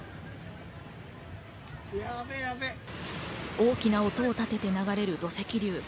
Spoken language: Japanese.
大きな音を立てて流れる土石流。